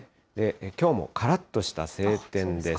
きょうもからっとした晴天です。